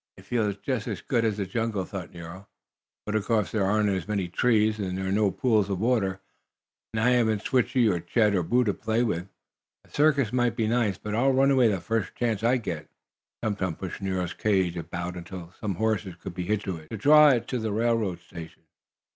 "It feels just as good as the jungle," thought Nero. "But of course there aren't as many trees, and there are no pools of water, and I haven't Switchie or Chet or Boo to play with. A circus may be nice, but I'll run away the first chance I get." Tum Tum pushed Nero's cage about until some horses could be hitched to it to draw it to the railroad station.